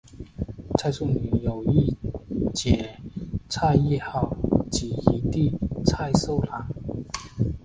蔡素女有一姊蔡亦好及一弟蔡寿郎。